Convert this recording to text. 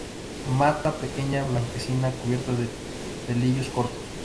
Mata pequeña, blanquecina, cubierta de pelillos cortos.